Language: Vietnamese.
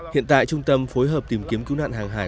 hiện tại trung tâm phối hợp tìm kiếm cứu nạn hàng hải